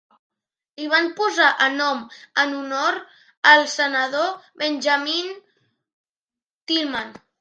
Li van posar el nom en honor al senador Benjamin Tillman.